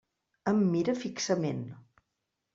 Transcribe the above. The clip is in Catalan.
Em mira fixament.